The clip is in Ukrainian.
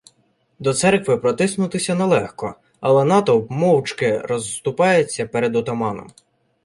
До церкви протиснутися нелегко, але натовп мовчки розступається перед отаманом.